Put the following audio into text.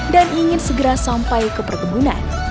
dan ingin segera sampai ke perkebunan